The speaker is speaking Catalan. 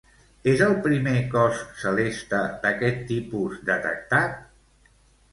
És el primer cos celeste d'aquest tipus detectat?